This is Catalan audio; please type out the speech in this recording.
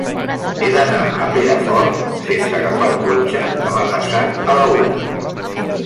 He d'anar a Perafort sense agafar el cotxe demà passat a la una.